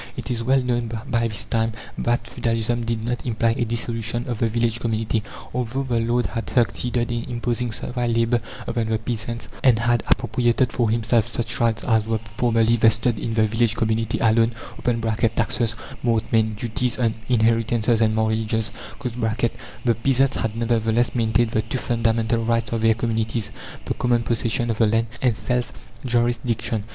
It is well known by this time that feudalism did not imply a dissolution of the village community. Although the lord had succeeded in imposing servile labour upon the peasants, and had appropriated for himself such rights as were formerly vested in the village community alone (taxes, mortmain, duties on inheritances and marriages), the peasants had, nevertheless, maintained the two fundamental rights of their communities: the common possession of the land, and self jurisdiction.